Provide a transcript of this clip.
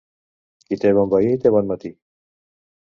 Qui té bon veí, té bon matí.